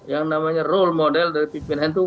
yang namanya role model dari pimpinan itu